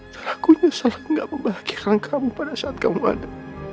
dan aku nyesal gak membahagiakan kamu pada saat kamu ada